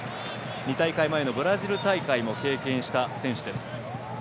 ２大会前のブラジル大会も経験した選手です。